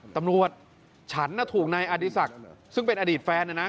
ตำรวจฉันน่ะถูกนายอดีศักดิ์ซึ่งเป็นอดีตแฟนนะนะ